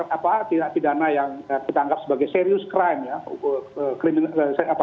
apa pidana yang ditangkap sebagai serius crime ya